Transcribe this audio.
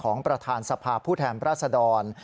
ของประธานสภาพผู้แทนราชดร